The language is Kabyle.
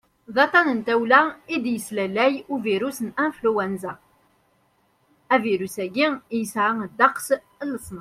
d aṭṭan n tawla i d-yeslalay ubirus n anflwanza influenza yesɛan ddeqs n leṣnaf